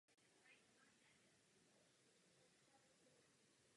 V současnosti se obyvatelé města zabývají zčásti zemědělstvím.